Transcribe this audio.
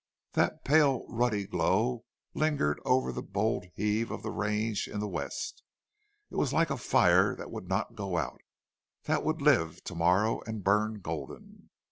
That pale, ruddy glow lingered over the bold heave of the range in the west. It was like a fire that would not go out, that would live to morrow, and burn golden.